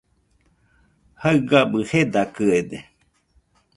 Jaɨgabɨ jedakɨede